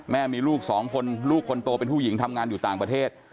แม่มีลูกสองคนลูกคนโตเป็นผู้หญิงทำงานอยู่ต่างประเทศ